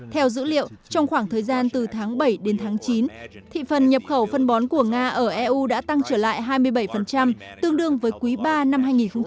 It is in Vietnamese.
theo dữ liệu trong khoảng thời gian từ tháng bảy đến tháng chín thị phần nhập khẩu phân bón của nga ở eu đã tăng trở lại hai mươi bảy tương đương với quý ba năm hai nghìn một mươi chín